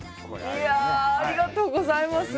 いやあありがとうございます！